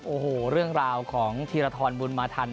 โอ้โหเรื่องราวของธีรทรบุญมาทัน